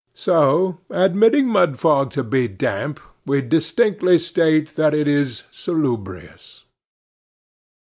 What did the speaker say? So, admitting Mudfog to be damp, we distinctly state that it is salubrious.